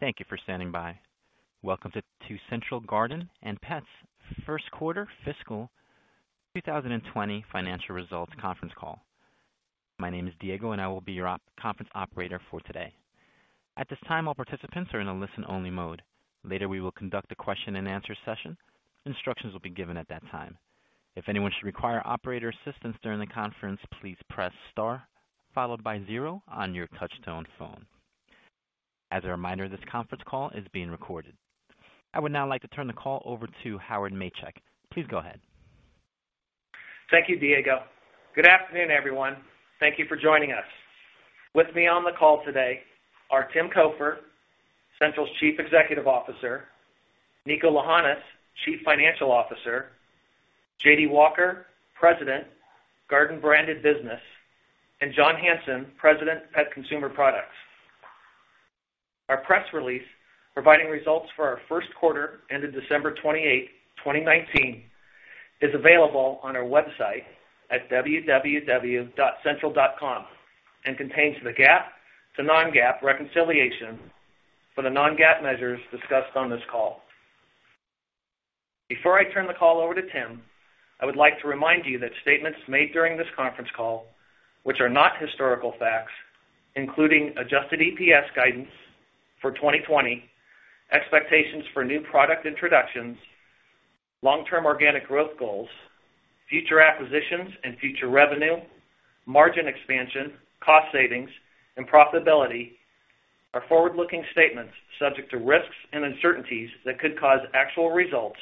Thank you for standing by. Welcome to Central Garden & Pet's First Quarter Fiscal 2020 Financial Results Conference Call. My name is Diego, and I will be your conference operator for today. At this time, all participants are in a listen-only mode. Later, we will conduct a question-and-answer session. Instructions will be given at that time. If anyone should require operator assistance during the conference, please press star followed by zero on your touch-tone phone. As a reminder, this conference call is being recorded. I would now like to turn the call over to Howard Machek. Please go ahead. Thank you, Diego. Good afternoon, everyone. Thank you for joining us. With me on the call today are Tim Cofer, Central's Chief Executive Officer; Niko Lahanas, Chief Financial Officer; J.D. Walker, President, Garden branded business; and John Hanson, President, Pet Consumer Products. Our press release providing results for our first quarter ended December 28, 2019, is available on our website at www.central.com and contains the GAAP to non-GAAP reconciliation for the non-GAAP measures discussed on this call. Before I turn the call over to Tim, I would like to remind you that statements made during this conference call, which are not historical facts, including adjusted EPS guidance for 2020, expectations for new product introductions, long-term organic growth goals, future acquisitions and future revenue, margin expansion, cost savings, and profitability, are forward-looking statements subject to risks and uncertainties that could cause actual results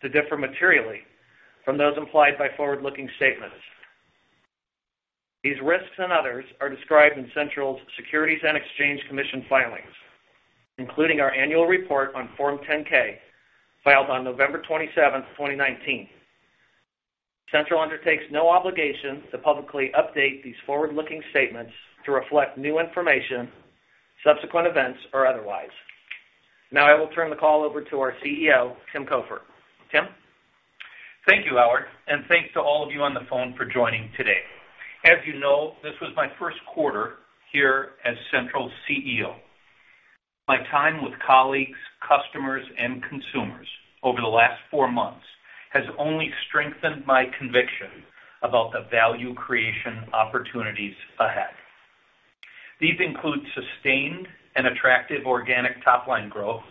to differ materially from those implied by forward-looking statements. These risks and others are described in Central's Securities and Exchange Commission filings, including our annual report on Form 10-K filed on November 27, 2019. Central undertakes no obligation to publicly update these forward-looking statements to reflect new information, subsequent events, or otherwise. Now, I will turn the call over to our CEO, Tim Cofer. Tim? Thank you, Howard, and thanks to all of you on the phone for joining today. As you know, this was my first quarter here as Central's CEO. My time with colleagues, customers, and consumers over the last four months has only strengthened my conviction about the value creation opportunities ahead. These include sustained and attractive organic top-line growth,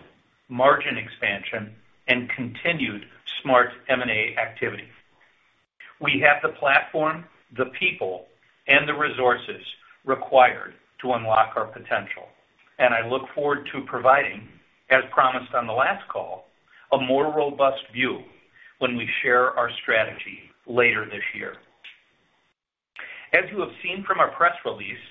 margin expansion, and continued smart M&A activity. We have the platform, the people, and the resources required to unlock our potential, and I look forward to providing, as promised on the last call, a more robust view when we share our strategy later this year. As you have seen from our press release,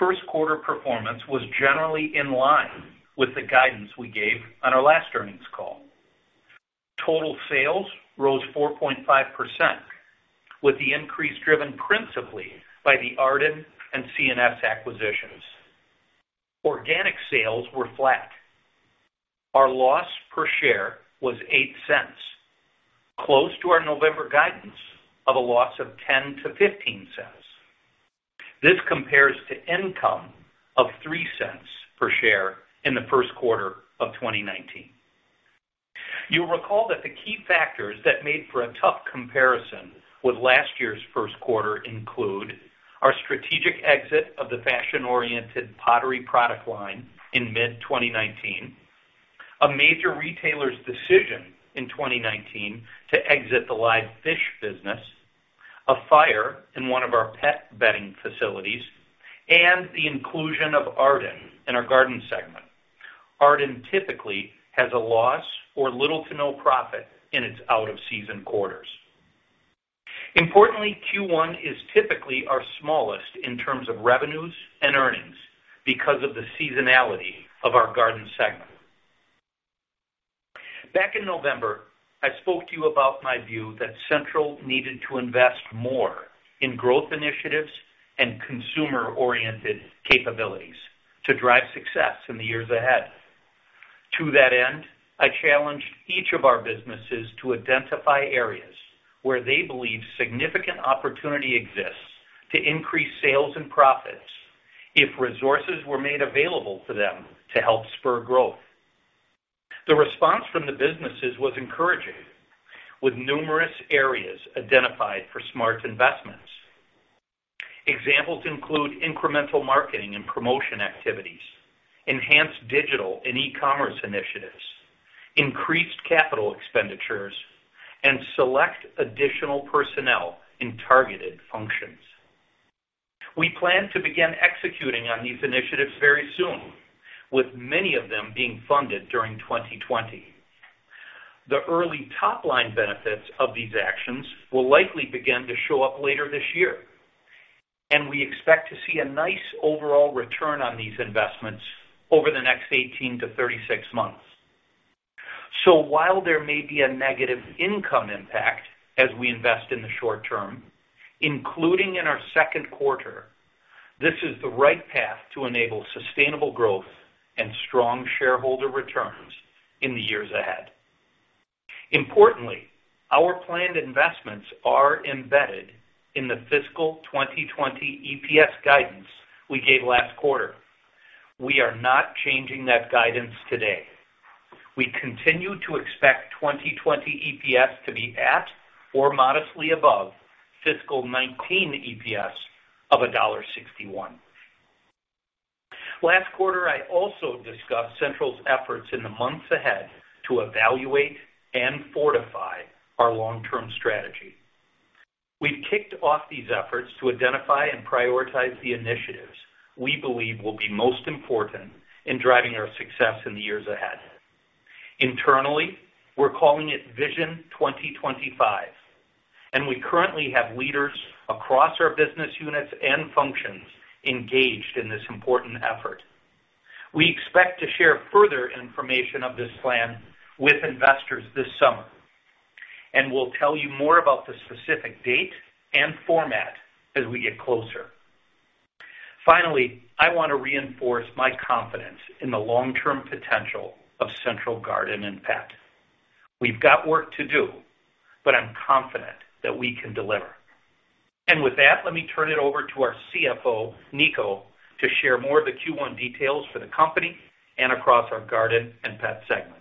first quarter performance was generally in line with the guidance we gave on our last earnings call. Total sales rose 4.5%, with the increase driven principally by the Arden and C&S acquisitions. Organic sales were flat. Our loss per share was $0.08, close to our November guidance of a loss of $0.10-$0.15. This compares to income of $0.03 per share in the first quarter of 2019. You'll recall that the key factors that made for a tough comparison with last year's first quarter include our strategic exit of the fashion-oriented pottery product line in mid-2019, a major retailer's decision in 2019 to exit the live fish business, a fire in one of our pet bedding facilities, and the inclusion of Arden in our garden segment. Arden typically has a loss or little to no profit in its out-of-season quarters. Importantly, Q1 is typically our smallest in terms of revenues and earnings because of the seasonality of our garden segment. Back in November, I spoke to you about my view that Central needed to invest more in growth initiatives and consumer-oriented capabilities to drive success in the years ahead. To that end, I challenged each of our businesses to identify areas where they believe significant opportunity exists to increase sales and profits if resources were made available to them to help spur growth. The response from the businesses was encouraging, with numerous areas identified for smart investments. Examples include incremental marketing and promotion activities, enhanced digital and e-commerce initiatives, increased capital expenditures, and select additional personnel in targeted functions. We plan to begin executing on these initiatives very soon, with many of them being funded during 2020. The early top-line benefits of these actions will likely begin to show up later this year, and we expect to see a nice overall return on these investments over the next 18-36 months. While there may be a negative income impact as we invest in the short term, including in our second quarter, this is the right path to enable sustainable growth and strong shareholder returns in the years ahead. Importantly, our planned investments are embedded in the fiscal 2020 EPS guidance we gave last quarter. We are not changing that guidance today. We continue to expect 2020 EPS to be at or modestly above fiscal 2019 EPS of $1.61. Last quarter, I also discussed Central's efforts in the months ahead to evaluate and fortify our long-term strategy. We've kicked off these efforts to identify and prioritize the initiatives we believe will be most important in driving our success in the years ahead. Internally, we're calling it Vision 2025, and we currently have leaders across our business units and functions engaged in this important effort. We expect to share further information of this plan with investors this summer, and we'll tell you more about the specific date and format as we get closer. Finally, I want to reinforce my confidence in the long-term potential of Central Garden & Pet. We've got work to do, but I'm confident that we can deliver. With that, let me turn it over to our CFO, Niko, to share more of the Q1 details for the company and across our garden and pet segments.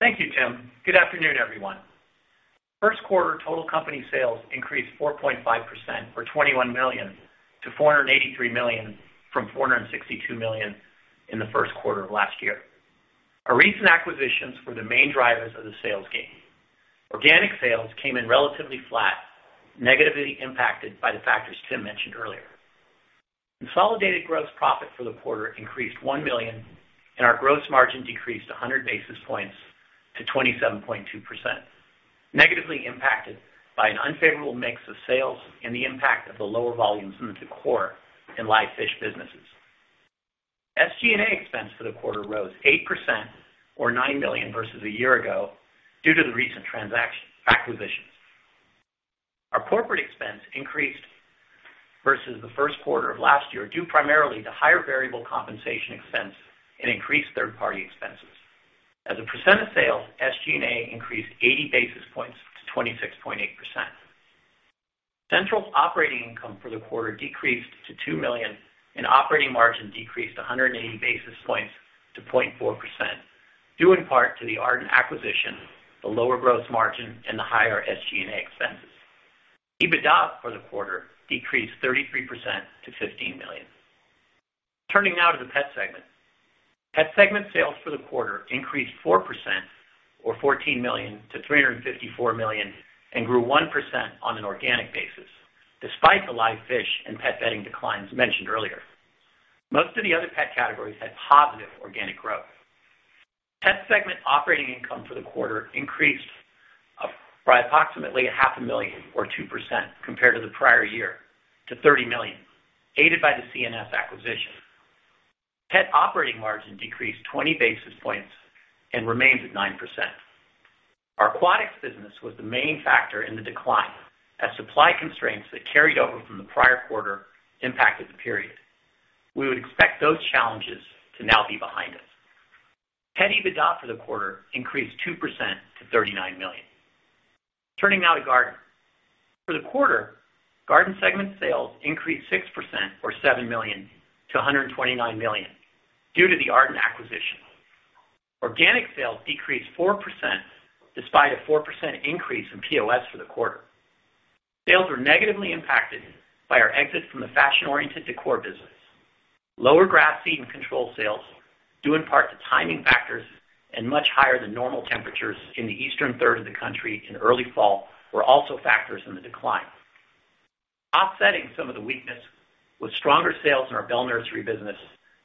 Thank you, Tim. Good afternoon, everyone. First quarter total company sales increased 4.5% or $21 million to $483 million from $462 million in the first quarter of last year. Our recent acquisitions were the main drivers of the sales gain. Organic sales came in relatively flat, negatively impacted by the factors Tim mentioned earlier. Consolidated gross profit for the quarter increased $1 million, and our gross margin decreased 100 basis points to 27.2%, negatively impacted by an unfavorable mix of sales and the impact of the lower volumes in the decor and live fish businesses. SG&A expense for the quarter rose 8% or $9 million versus a year ago due to the recent transaction acquisitions. Our corporate expense increased versus the first quarter of last year due primarily to higher variable compensation expense and increased third-party expenses. As a percent of sales, SG&A increased 80 basis points to 26.8%. Central's operating income for the quarter decreased to $2 million, and operating margin decreased 180 basis points to 0.4%, due in part to the Arden acquisition, the lower gross margin, and the higher SG&A expenses. EBITDA for the quarter decreased 33% to $15 million. Turning now to the pet segment. Pet segment sales for the quarter increased 4% or $14 million to $354 million and grew 1% on an organic basis, despite the live fish and pet bedding declines mentioned earlier. Most of the other pet categories had positive organic growth. Pet segment operating income for the quarter increased by approximately $500,000 or 2% compared to the prior year to $30 million, aided by the C&S acquisition. Pet operating margin decreased 20 basis points and remains at 9%. Our aquatics business was the main factor in the decline, as supply constraints that carried over from the prior quarter impacted the period. We would expect those challenges to now be behind us. Pet EBITDA for the quarter increased 2% to $39 million. Turning now to garden. For the quarter, garden segment sales increased 6% or $7 million to $129 million due to the Arden acquisition. Organic sales decreased 4% despite a 4% increase in POS for the quarter. Sales were negatively impacted by our exit from the fashion-oriented decor business. Lower grass seed and control sales, due in part to timing factors and much higher than normal temperatures in the eastern third of the country in early fall, were also factors in the decline. Offsetting some of the weakness was stronger sales in our Bell Nursery business,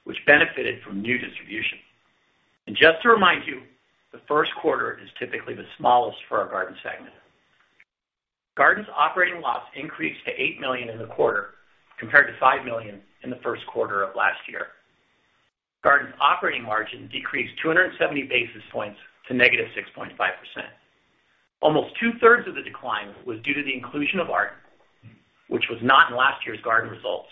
which benefited from new distribution. Just to remind you, the first quarter is typically the smallest for our garden segment. Garden's operating loss increased to $8 million in the quarter compared to $5 million in the first quarter of last year. Garden's operating margin decreased 270 basis points to negative 6.5%. Almost two-thirds of the decline was due to the inclusion of Arden, which was not in last year's garden results,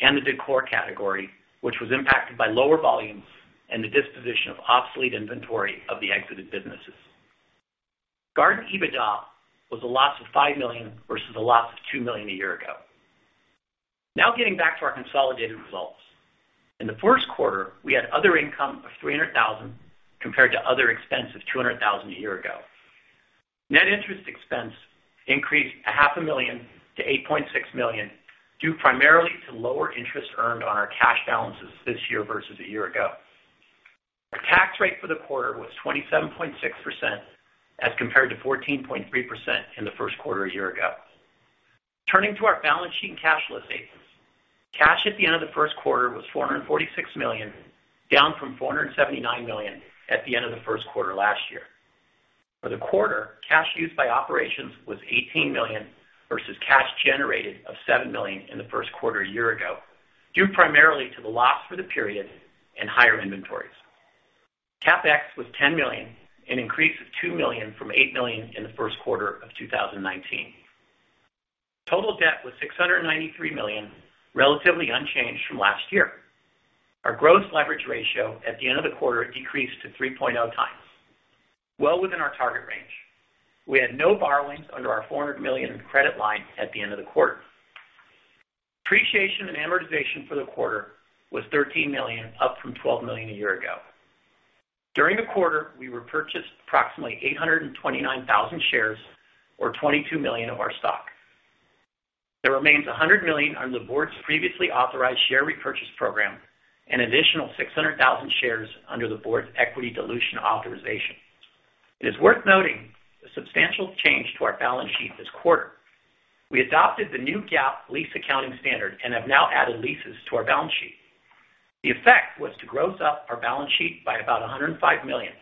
and the decor category, which was impacted by lower volumes and the disposition of obsolete inventory of the exited businesses. Garden EBITDA was a loss of $5 million versus a loss of $2 million a year ago. Now getting back to our consolidated results. In the first quarter, we had other income of $300,000 compared to other expense of $200,000 a year ago. Net interest expense increased $500,000 to $8.6 million due primarily to lower interest earned on our cash balances this year versus a year ago. Our tax rate for the quarter was 27.6% as compared to 14.3% in the first quarter a year ago. Turning to our balance sheet and cash flow statements, cash at the end of the first quarter was $446 million, down from $479 million at the end of the first quarter last year. For the quarter, cash used by operations was $18 million versus cash generated of $7 million in the first quarter a year ago due primarily to the loss for the period and higher inventories. CapEx was $10 million and increased to $2 million from $8 million in the first quarter of 2019. Total debt was $693 million, relatively unchanged from last year. Our gross leverage ratio at the end of the quarter decreased to 3.0x, well within our target range. We had no borrowings under our $400 million credit line at the end of the quarter. Depreciation and amortization for the quarter was $13 million, up from $12 million a year ago. During the quarter, we repurchased approximately 829,000 shares or $22 million of our stock. There remains $100 million under the board's previously authorized share repurchase program and an additional 600,000 shares under the board's equity dilution authorization. It is worth noting a substantial change to our balance sheet this quarter. We adopted the new GAAP lease accounting standard and have now added leases to our balance sheet. The effect was to gross up our balance sheet by about $105 million.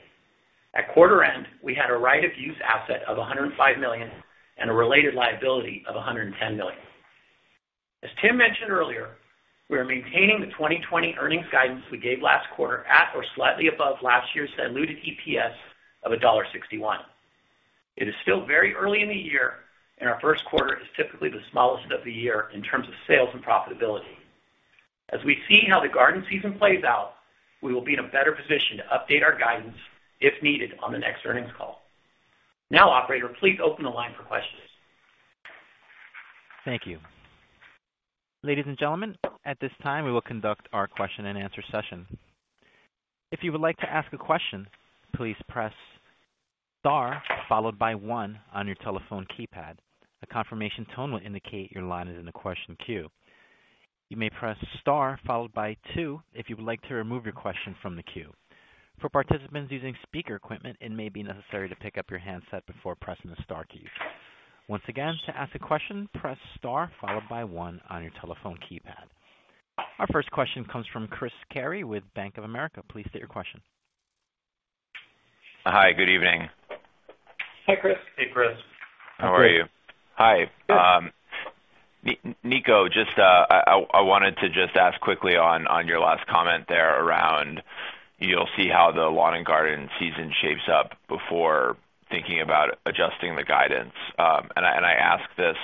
At quarter end, we had a right-of-use asset of $105 million and a related liability of $110 million. As Tim mentioned earlier, we are maintaining the 2020 earnings guidance we gave last quarter at or slightly above last year's diluted EPS of $1.61. It is still very early in the year, and our first quarter is typically the smallest of the year in terms of sales and profitability. As we see how the garden season plays out, we will be in a better position to update our guidance if needed on the next earnings call. Now, Operator, please open the line for questions. Thank you. Ladies and gentlemen, at this time, we will conduct our question-and-answer session. If you would like to ask a question, please press star followed by one on your telephone keypad. A confirmation tone will indicate your line is in the question queue. You may press star followed by two if you would like to remove your question from the queue. For participants using speaker equipment, it may be necessary to pick up your handset before pressing the star key. Once again, to ask a question, press star followed by one on your telephone keypad. Our first question comes from Chris Carey with Bank of America. Please state your question. Hi. Good evening. Hi, Chris. Hey, Chris. How are you? Hi. Niko, I wanted to just ask quickly on your last comment there around you'll see how the lawn and garden season shapes up before thinking about adjusting the guidance. I ask this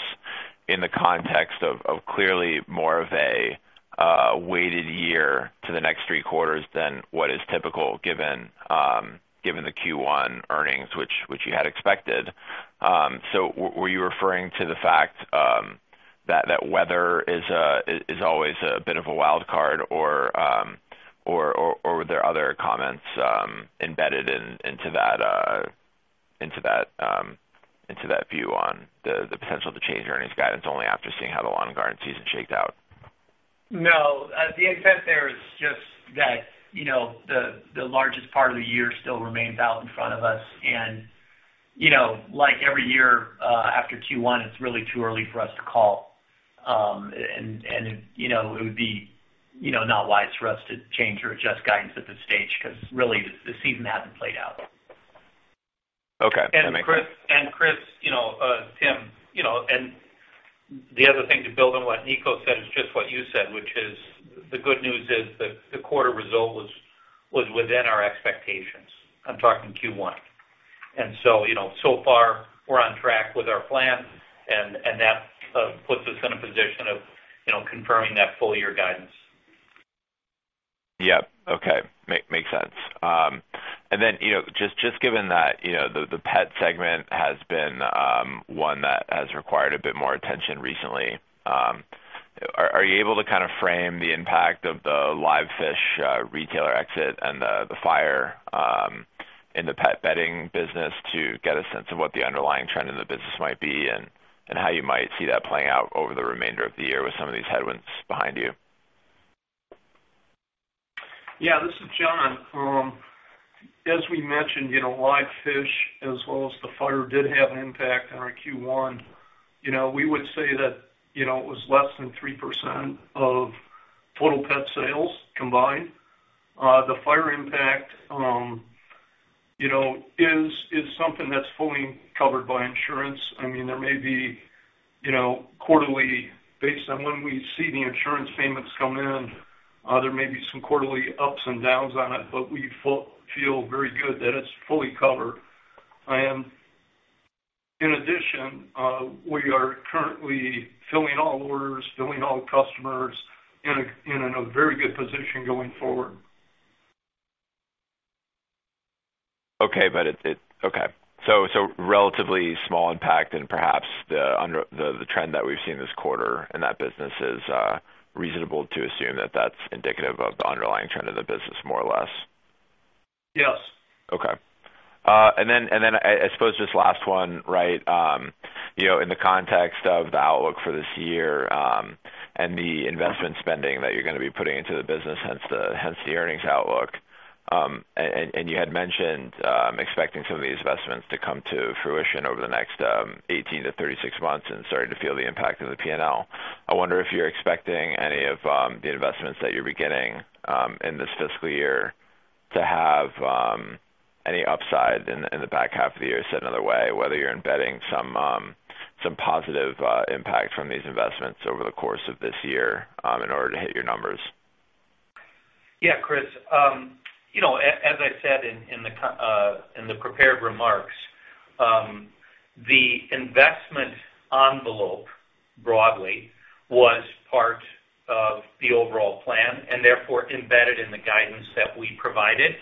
in the context of clearly more of a weighted year to the next three quarters than what is typical given the Q1 earnings, which you had expected. Were you referring to the fact that weather is always a bit of a wild card, or were there other comments embedded into that view on the potential to change earnings guidance only after seeing how the lawn and garden season shakes out? No. The intent there is just that the largest part of the year still remains out in front of us. Like every year after Q1, it's really too early for us to call. It would not be wise for us to change or adjust guidance at this stage because, really, the season hasn't played out. Okay. That makes sense. Chris, Tim, the other thing to build on what Niko said is just what you said, which is the good news is the quarter result was within our expectations. I'm talking Q1. So far, we're on track with our plan, and that puts us in a position of confirming that full-year guidance. Yep. Okay. Makes sense. Just given that the pet segment has been one that has required a bit more attention recently, are you able to kind of frame the impact of the live fish retailer exit and the fire in the pet bedding business to get a sense of what the underlying trend in the business might be and how you might see that playing out over the remainder of the year with some of these headwinds behind you? Yeah. This is John. As we mentioned, live fish as well as the fire did have an impact on our Q1. We would say that it was less than 3% of total pet sales combined. The fire impact is something that's fully covered by insurance. I mean, there may be quarterly, based on when we see the insurance payments come in, there may be some quarterly ups and downs on it, but we feel very good that it's fully covered. In addition, we are currently filling all orders, filling all customers, and in a very good position going forward. Okay. Okay. So relatively small impact, and perhaps the trend that we've seen this quarter in that business is reasonable to assume that that's indicative of the underlying trend of the business, more or less. Yes. Okay. I suppose just last one, right? In the context of the outlook for this year and the investment spending that you're going to be putting into the business hence the earnings outlook, and you had mentioned expecting some of these investments to come to fruition over the next 18 to 36 months and starting to feel the impact of the P&L. I wonder if you're expecting any of the investments that you're beginning in this fiscal year to have any upside in the back half of the year set in other way, whether you're embedding some positive impact from these investments over the course of this year in order to hit your numbers. Yeah, Chris. As I said in the prepared remarks, the investment envelope broadly was part of the overall plan and therefore embedded in the guidance that we provided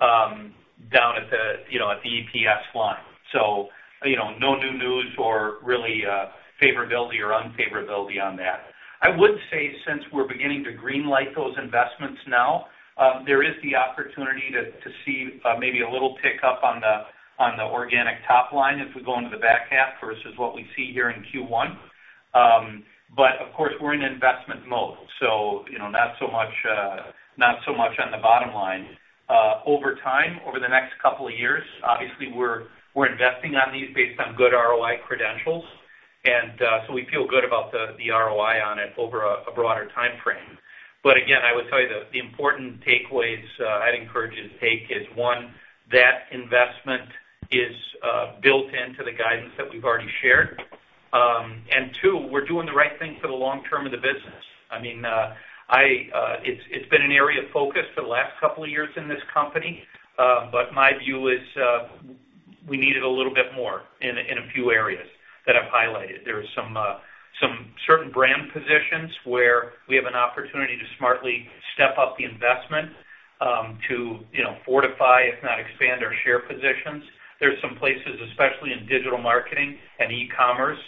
down at the EPS line. No new news or really favorability or unfavorability on that. I would say since we're beginning to greenlight those investments now, there is the opportunity to see maybe a little pickup on the organic top line if we go into the back half versus what we see here in Q1. Of course, we're in investment mode, so not so much on the bottom line. Over time, over the next couple of years, obviously, we're investing on these based on good ROI credentials. We feel good about the ROI on it over a broader time frame. Again, I would tell you the important takeaways I'd encourage you to take is, one, that investment is built into the guidance that we've already shared. Two, we're doing the right thing for the long term of the business. I mean, it's been an area of focus for the last couple of years in this company, but my view is we need it a little bit more in a few areas that I've highlighted. There are some certain brand positions where we have an opportunity to smartly step up the investment to fortify, if not expand, our share positions. There are some places, especially in digital marketing and e-commerce,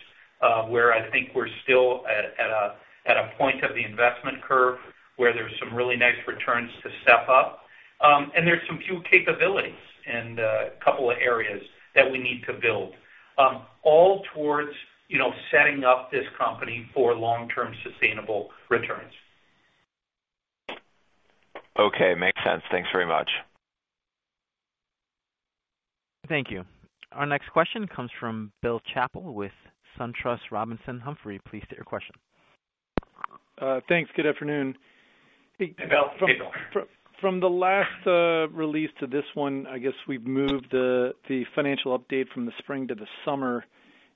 where I think we're still at a point of the investment curve where there are some really nice returns to step up. There are some few capabilities in a couple of areas that we need to build, all towards setting up this company for long-term sustainable returns. Okay. Makes sense. Thanks very much. Thank you. Our next question comes from Bill Chappell with SunTrust Robinson Humphrey. Please state your question. Thanks. Good afternoon. From the last release to this one, I guess we've moved the financial update from the spring to the summer.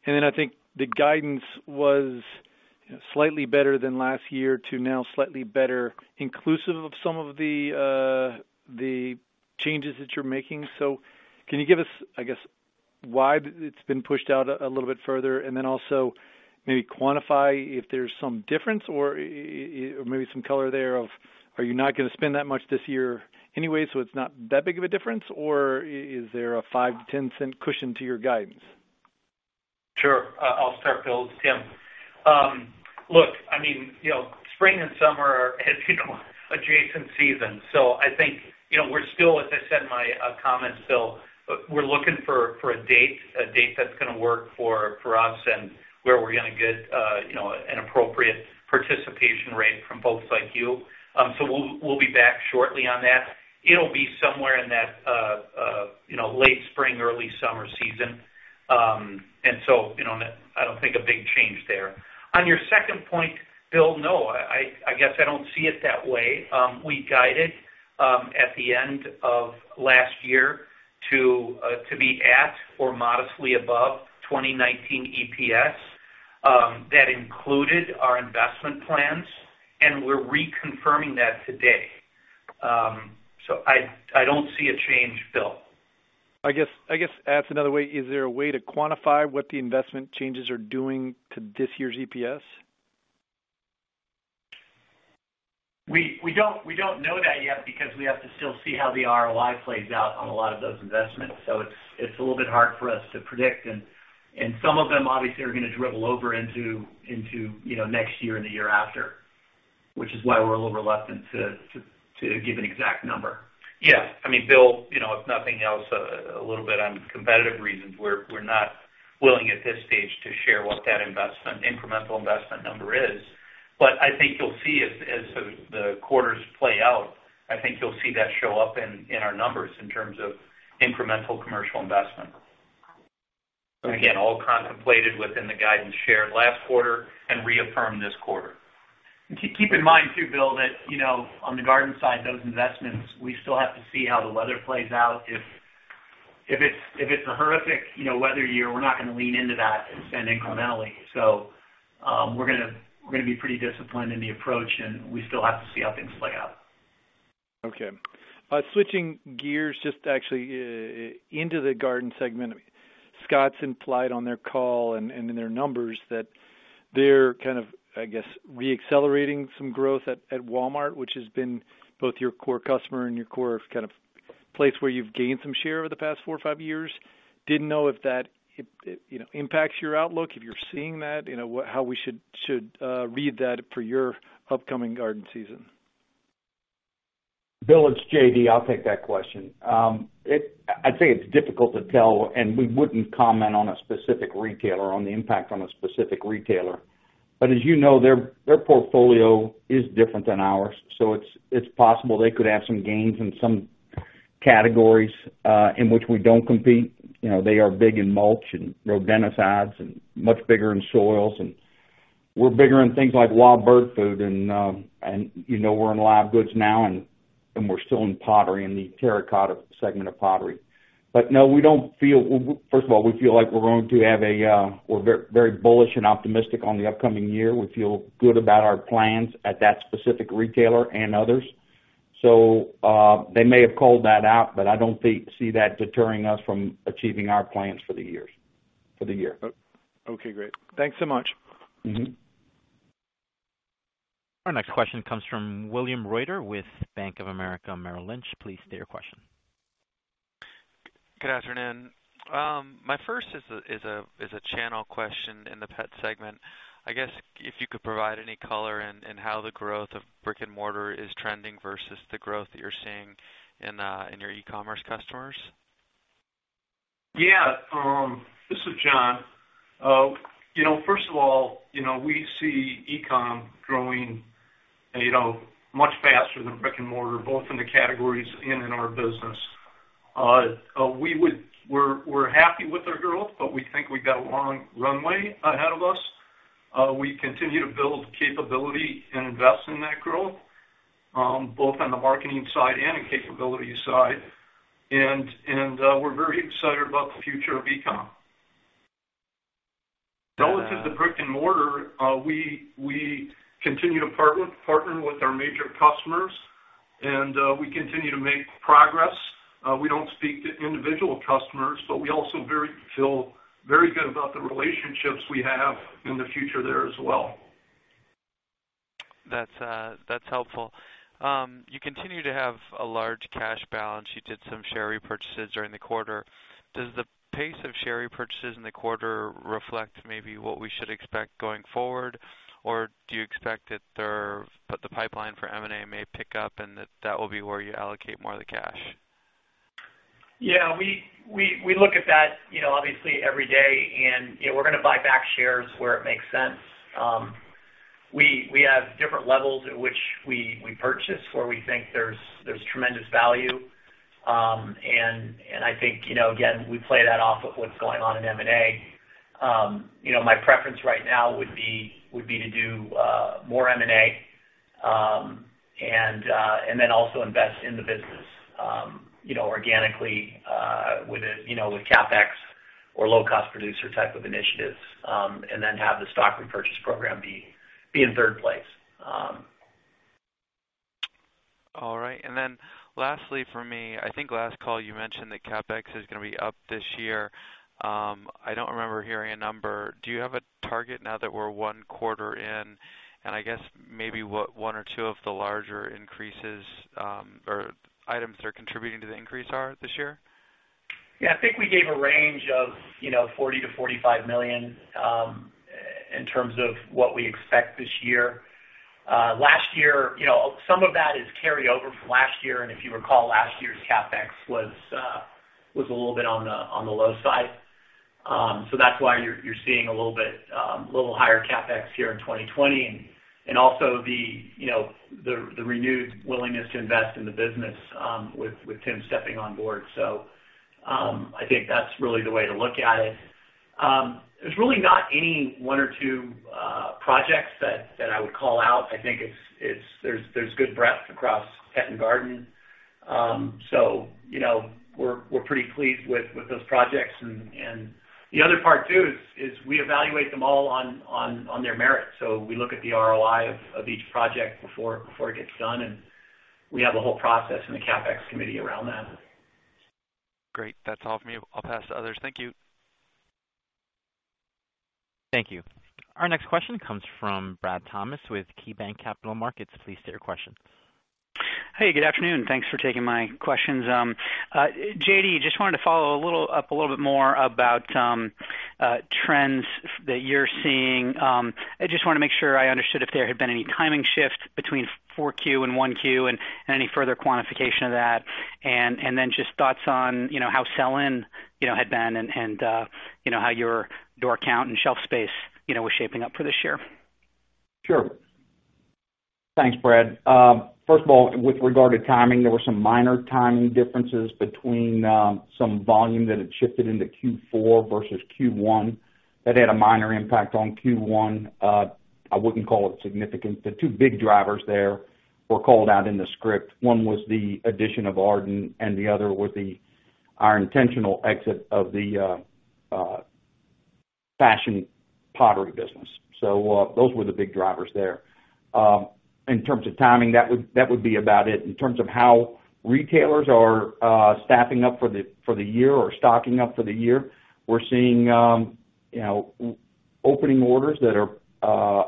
I think the guidance was slightly better than last year to now slightly better, inclusive of some of the changes that you're making. Can you give us, I guess, why it's been pushed out a little bit further? Also maybe quantify if there's some difference or maybe some color there of, are you not going to spend that much this year anyway, so it's not that big of a difference? Or is there a 5-10 cent cushion to your guidance? Sure. I'll start, Bill. Tim. Look, I mean, spring and summer are adjacent seasons. I think we're still, as I said in my comments, Bill, we're looking for a date that's going to work for us and where we're going to get an appropriate participation rate from folks like you. We'll be back shortly on that. It'll be somewhere in that late spring, early summer season. I don't think a big change there. On your second point, Bill, no, I guess I don't see it that way. We guided at the end of last year to be at or modestly above 2019 EPS. That included our investment plans, and we're reconfirming that today. I don't see a change, Bill. I guess asked another way, is there a way to quantify what the investment changes are doing to this year's EPS? We don't know that yet because we have to still see how the ROI plays out on a lot of those investments. So it's a little bit hard for us to predict. Some of them, obviously, are going to dribble over into next year and the year after, which is why we're a little reluctant to give an exact number. Yeah. I mean, Bill, if nothing else, a little bit on competitive reasons, we're not willing at this stage to share what that incremental investment number is. I think you'll see as the quarters play out, I think you'll see that show up in our numbers in terms of incremental commercial investment. Again, all contemplated within the guidance shared last quarter and reaffirmed this quarter. Keep in mind too, Bill, that on the garden side, those investments, we still have to see how the weather plays out. If it's a horrific weather year, we're not going to lean into that and spend incrementally. We are going to be pretty disciplined in the approach, and we still have to see how things play out. Okay. Switching gears just actually into the garden segment, Scotts implied on their call and in their numbers that they're kind of, I guess, re-accelerating some growth at Walmart, which has been both your core customer and your core kind of place where you've gained some share over the past four or five years. Didn't know if that impacts your outlook, if you're seeing that, how we should read that for your upcoming garden season. Bill, it's JD. I'll take that question. I'd say it's difficult to tell, and we wouldn't comment on a specific retailer or on the impact on a specific retailer. As you know, their portfolio is different than ours. It's possible they could have some gains in some categories in which we don't compete. They are big in mulch and rodenticides and much bigger in soils. We're bigger in things like wild bird food. We're in live goods now, and we're still in pottery and the terracotta segment of pottery. No, we don't feel, first of all, we feel like we're going to have a, we're very bullish and optimistic on the upcoming year. We feel good about our plans at that specific retailer and others. They may have called that out, but I don't see that deterring us from achieving our plans for the year. Okay. Great. Thanks so much. Our next question comes from William Reuter with Bank of America Merrill Lynch. Please state your question. Good afternoon. My first is a channel question in the pet segment. I guess if you could provide any color in how the growth of brick and mortar is trending versus the growth that you're seeing in your e-commerce customers. Yeah. This is John. First of all, we see e-com growing much faster than brick and mortar, both in the categories and in our business. We're happy with our growth, but we think we've got a long runway ahead of us. We continue to build capability and invest in that growth, both on the marketing side and in capability side. We are very excited about the future of e-com. Relative to brick and mortar, we continue to partner with our major customers, and we continue to make progress. We don't speak to individual customers, but we also feel very good about the relationships we have in the future there as well. That's helpful. You continue to have a large cash balance. You did some share repurchases during the quarter. Does the pace of share repurchases in the quarter reflect maybe what we should expect going forward? Do you expect that the pipeline for M&A may pick up and that will be where you allocate more of the cash? Yeah. We look at that, obviously, every day. We are going to buy back shares where it makes sense. We have different levels at which we purchase where we think there is tremendous value. I think, again, we play that off of what is going on in M&A. My preference right now would be to do more M&A and then also invest in the business organically with CapEx or low-cost producer type of initiatives and then have the stock repurchase program be in third place. All right. Lastly for me, I think last call you mentioned that CapEx is going to be up this year. I don't remember hearing a number. Do you have a target now that we're one quarter in? I guess maybe what one or two of the larger increases or items that are contributing to the increase are this year? Yeah. I think we gave a range of $40 million-$45 million in terms of what we expect this year. Last year, some of that is carryover from last year. If you recall, last year's CapEx was a little bit on the low side. That's why you're seeing a little higher CapEx here in 2020. Also, the renewed willingness to invest in the business with Tim stepping on board. I think that's really the way to look at it. There's really not any one or two projects that I would call out. I think there's good breadth across pet and garden. We're pretty pleased with those projects. The other part too is we evaluate them all on their merit. We look at the ROI of each project before it gets done. We have a whole process in the CapEx committee around that. Great. That's all from me. I'll pass to others. Thank you. Thank you. Our next question comes from Brad Thomas with KeyBanc Capital Markets. Please state your question. Hey, good afternoon. Thanks for taking my questions. JD, just wanted to follow up a little bit more about trends that you're seeing. I just wanted to make sure I understood if there had been any timing shift between Q4 and Q1 and any further quantification of that. Just thoughts on how sell-in had been and how your door count and shelf space was shaping up for this year. Sure. Thanks, Brad. First of all, with regard to timing, there were some minor timing differences between some volume that had shifted into Q4 versus Q1 that had a minor impact on Q1. I would not call it significant. The two big drivers there were called out in the script. One was the addition of Arden, and the other was the intentional exit of the fashion pottery business. Those were the big drivers there. In terms of timing, that would be about it. In terms of how retailers are staffing up for the year or stocking up for the year, we are seeing opening orders that are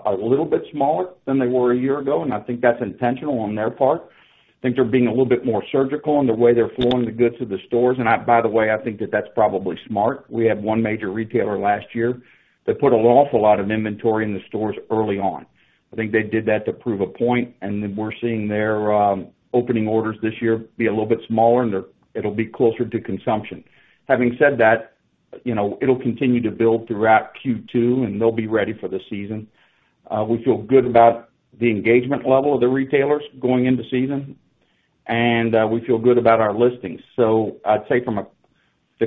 a little bit smaller than they were a year ago. I think that is intentional on their part. I think they're being a little bit more surgical in the way they're flowing the goods to the stores. By the way, I think that that's probably smart. We had one major retailer last year that put an awful lot of inventory in the stores early on. I think they did that to prove a point. We're seeing their opening orders this year be a little bit smaller, and it'll be closer to consumption. Having said that, it'll continue to build throughout Q2, and they'll be ready for the season. We feel good about the engagement level of the retailers going into season. We feel good about our listings. I'd say from a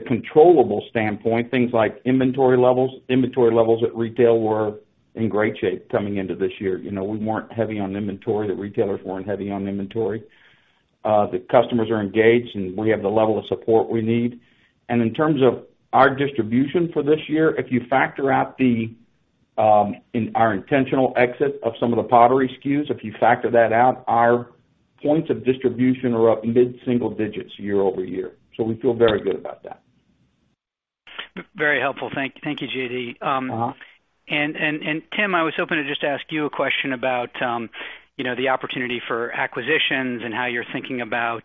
controllable standpoint, things like inventory levels, inventory levels at retail were in great shape coming into this year. We weren't heavy on inventory. The retailers weren't heavy on inventory. The customers are engaged, and we have the level of support we need. In terms of our distribution for this year, if you factor out our intentional exit of some of the pottery SKUs, if you factor that out, our points of distribution are up mid-single-digits year-over-year. We feel very good about that. Very helpful. Thank you, JD. Tim, I was hoping to just ask you a question about the opportunity for acquisitions and how you're thinking about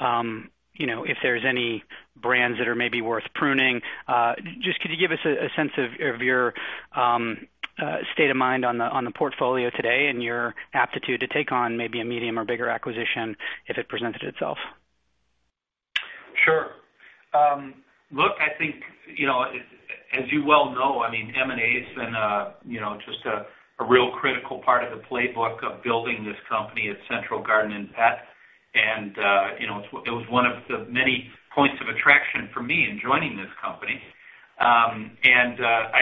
if there's any brands that are maybe worth pruning. Could you give us a sense of your state of mind on the portfolio today and your aptitude to take on maybe a medium or bigger acquisition if it presented itself? Sure. Look, I think as you well know, I mean, M&A has been just a real critical part of the playbook of building this company at Central Garden & Pet. It was one of the many points of attraction for me in joining this company. I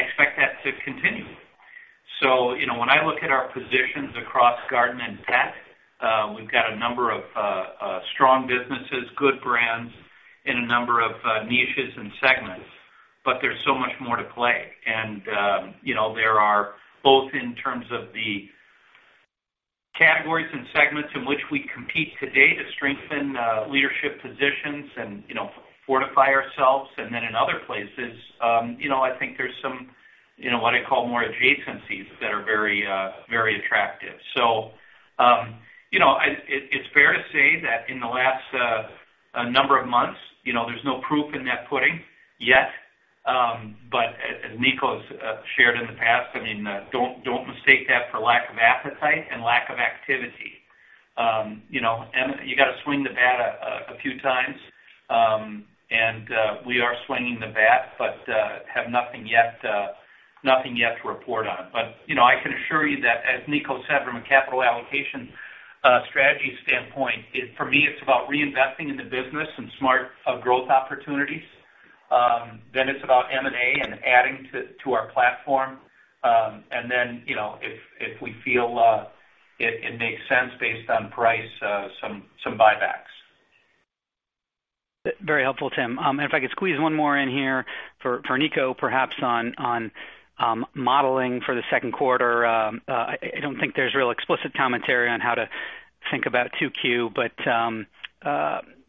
expect that to continue. When I look at our positions across Garden & Pet, we've got a number of strong businesses, good brands in a number of niches and segments. There is so much more to play. There are both in terms of the categories and segments in which we compete today to strengthen leadership positions and fortify ourselves. In other places, I think there's some what I call more adjacencies that are very attractive. It is fair to say that in the last number of months, there's no proof in that pudding yet. As Niko shared in the past, I mean, don't mistake that for lack of appetite and lack of activity. You got to swing the bat a few times. We are swinging the bat but have nothing yet to report on. I can assure you that, as Niko said, from a capital allocation strategy standpoint, for me, it's about reinvesting in the business and smart growth opportunities. It is about M&A and adding to our platform. If we feel it makes sense based on price, some buybacks. Very helpful, Tim. If I could squeeze one more in here for Niko, perhaps on modeling for the second quarter. I don't think there's real explicit commentary on how to think about 2Q.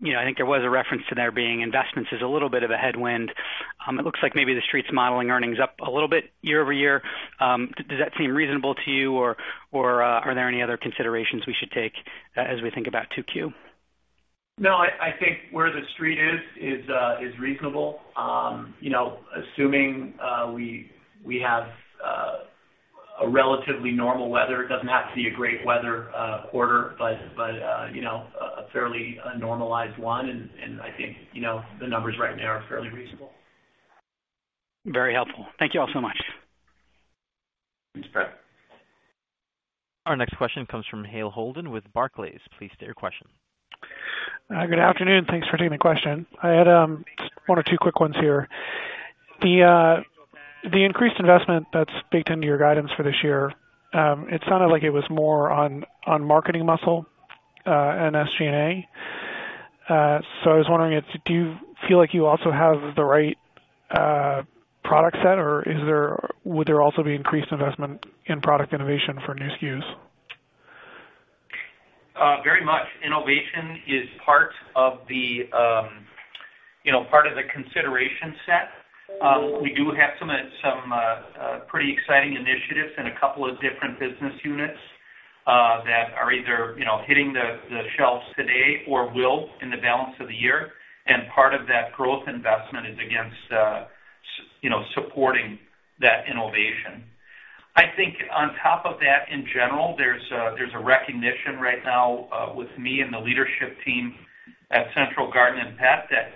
I think there was a reference to there being investments as a little bit of a headwind. It looks like maybe the street's modeling earnings up a little bit year over year. Does that seem reasonable to you? Are there any other considerations we should take as we think about 2Q? No, I think where the street is is reasonable. Assuming we have a relatively normal weather, it doesn't have to be a great weather quarter, but a fairly normalized one. I think the numbers right now are fairly reasonable. Very helpful. Thank you all so much. Thanks, Brad. Our next question comes from Hale Holden with Barclays. Please state your question. Good afternoon. Thanks for taking the question. I had one or two quick ones here. The increased investment that's baked into your guidance for this year, it sounded like it was more on marketing muscle and SG&A. I was wondering, do you feel like you also have the right product set? Would there also be increased investment in product innovation for new SKUs? Very much. Innovation is part of the consideration set. We do have some pretty exciting initiatives in a couple of different business units that are either hitting the shelves today or will in the balance of the year. Part of that growth investment is against supporting that innovation. I think on top of that, in general, there is a recognition right now with me and the leadership team at Central Garden & Pet that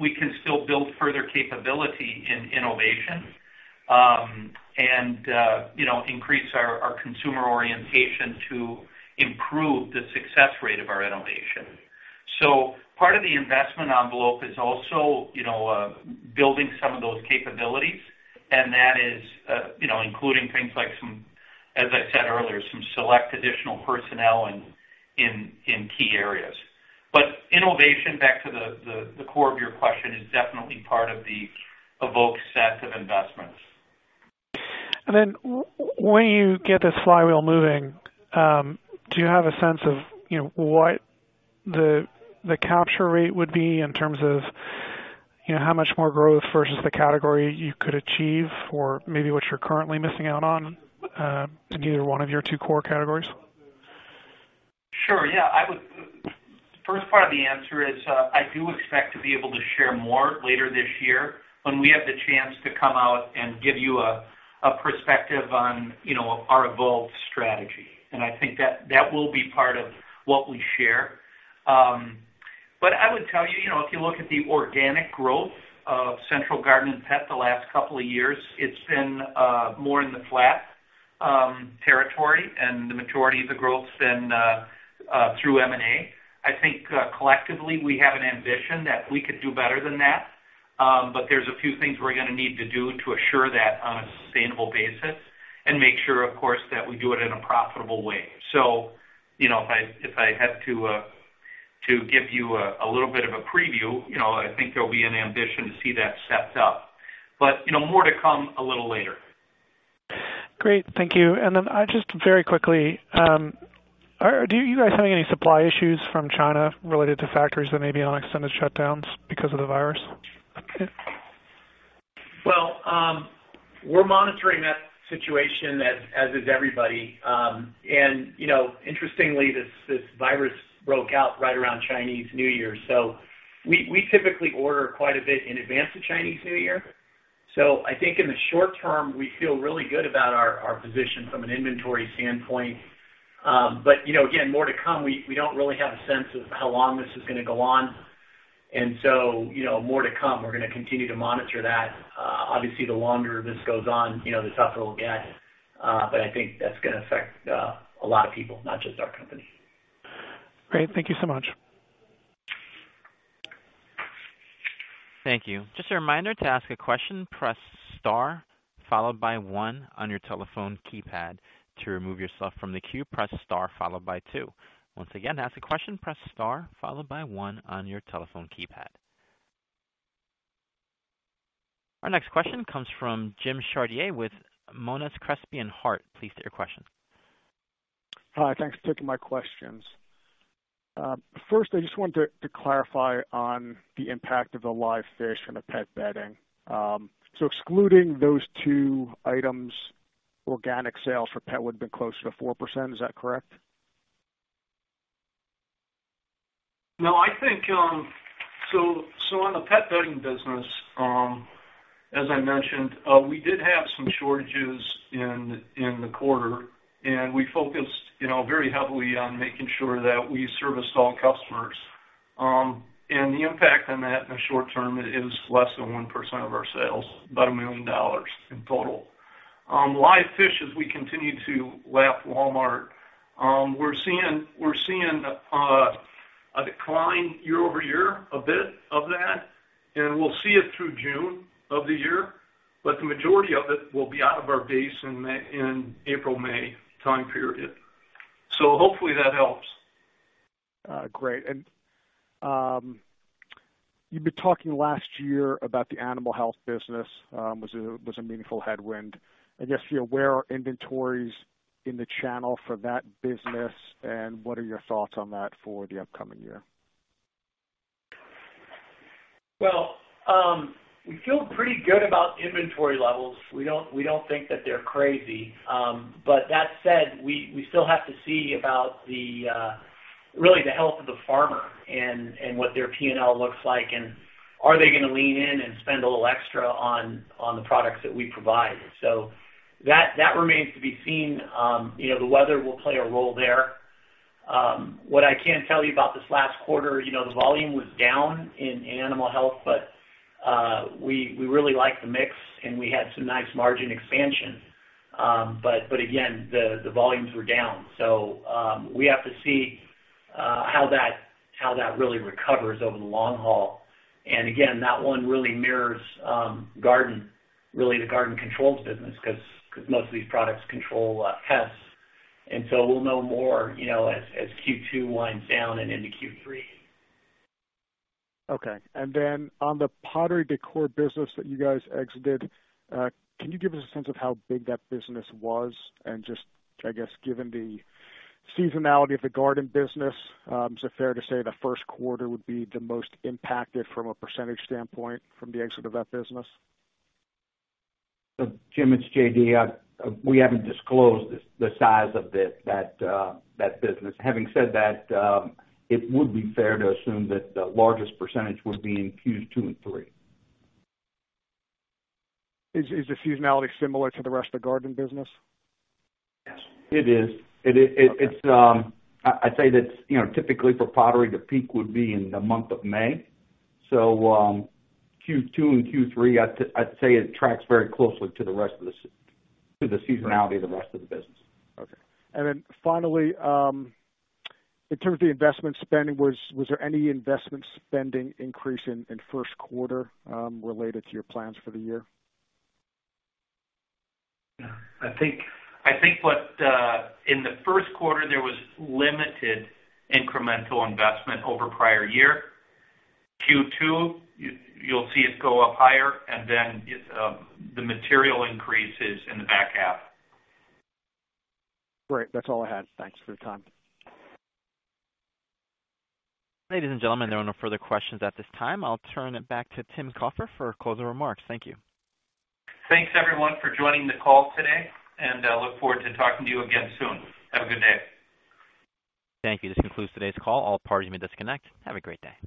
we can still build further capability in innovation and increase our consumer orientation to improve the success rate of our innovation. Part of the investment envelope is also building some of those capabilities. That is including things like, as I said earlier, some select additional personnel in key areas. Innovation, back to the core of your question, is definitely part of the evoked set of investments. When you get this flywheel moving, do you have a sense of what the capture rate would be in terms of how much more growth versus the category you could achieve or maybe what you're currently missing out on in either one of your two core categories? Sure. Yeah. First part of the answer is I do expect to be able to share more later this year when we have the chance to come out and give you a perspective on our evolved strategy. I think that will be part of what we share. I would tell you, if you look at the organic growth of Central Garden & Pet the last couple of years, it's been more in the flat territory. The majority of the growth's been through M&A. I think collectively, we have an ambition that we could do better than that. There are a few things we're going to need to do to assure that on a sustainable basis and make sure, of course, that we do it in a profitable way. If I had to give you a little bit of a preview, I think there'll be an ambition to see that stepped up. More to come a little later. Great. Thank you. Just very quickly, are you guys having any supply issues from China related to factories that may be on extended shutdowns because of the virus? We're monitoring that situation as is everybody. Interestingly, this virus broke out right around Chinese New Year. We typically order quite a bit in advance of Chinese New Year. I think in the short term, we feel really good about our position from an inventory standpoint. Again, more to come. We do not really have a sense of how long this is going to go on. More to come. We are going to continue to monitor that. Obviously, the longer this goes on, the tougher it will get. I think that is going to affect a lot of people, not just our company. Great. Thank you so much. Thank you. Just a reminder to ask a question, press star followed by one on your telephone keypad. To remove yourself from the queue, press star followed by two. Once again, to ask a question, press star followed by one on your telephone keypad. Our next question comes from Jim Chartier with Monness, Crespi & Hardt. Please state your question. Hi. Thanks for taking my questions. First, I just wanted to clarify on the impact of the live fish and the pet bedding. Excluding those two items, organic sales for pet would have been closer to 4%. Is that correct? No, I think on the pet bedding business, as I mentioned, we did have some shortages in the quarter. We focused very heavily on making sure that we serviced all customers. The impact on that in the short term is less than 1% of our sales, about $1 million in total. Live fish, as we continue to lap Walmart, we're seeing a decline year-over-year, a bit of that. We will see it through June of the year. The majority of it will be out of our base in the April, May time period. Hopefully that helps. Great. You have been talking last year about the animal health business was a meaningful headwind. I guess, where are inventories in the channel for that business? What are your thoughts on that for the upcoming year? We feel pretty good about inventory levels. We do not think that they are crazy. That said, we still have to see about really the health of the farmer and what their P&L looks like. Are they going to lean in and spend a little extra on the products that we provide? That remains to be seen. The weather will play a role there. What I can tell you about this last quarter, the volume was down in animal health. We really liked the mix. We had some nice margin expansion. Again, the volumes were down. We have to see how that really recovers over the long haul. Again, that one really mirrors Garden, really the Garden Controls business because most of these products control pets. We will know more as Q2 winds down and into Q3. Okay. On the pottery decor business that you guys exited, can you give us a sense of how big that business was? Just, I guess, given the seasonality of the garden business, is it fair to say the first quarter would be the most impacted from a % standpoint from the exit of that business? Jim, it's JD. We haven't disclosed the size of that business. Having said that, it would be fair to assume that the largest percentage would be in Qs 2 and 3. Is the seasonality similar to the rest of the garden business? Yes. It is. I'd say that typically for pottery, the peak would be in the month of May. Q2 and Q3, I'd say it tracks very closely to the rest of the seasonality of the rest of the business. Okay. Finally, in terms of the investment spending, was there any investment spending increase in first quarter related to your plans for the year? I think in the first quarter, there was limited incremental investment over prior year. Q2, you'll see it go up higher. The material increases are in the back half. Great. That's all I had. Thanks for your time. Ladies and gentlemen, there are no further questions at this time. I'll turn it back to Tim Cofer for closing remarks. Thank you. Thanks, everyone, for joining the call today. I look forward to talking to you again soon. Have a good day. Thank you. This concludes today's call. All parties may disconnect. Have a great day.